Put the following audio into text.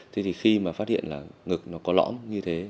thế thì khi mà phát hiện là ngực nó có lõm như thế